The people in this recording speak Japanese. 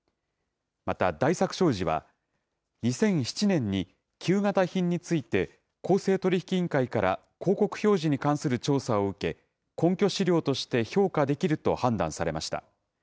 また大作商事は、２００７年に旧型品について公正取引委員会から広告表示に関する調査を受け、根拠資料として評価できると判断されました。